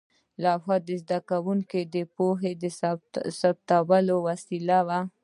لوحه د زده کوونکو د پوهې ثبتولو وسیله وه.